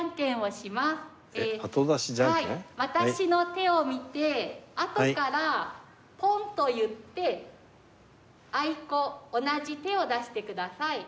私の手を見てあとからポンと言ってあいこ同じ手を出してください。